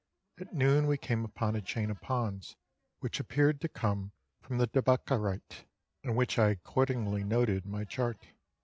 At noon we came upon a chain of ponds, which appeared to come from the Debacka rite, and which I accordingly noted in my chart.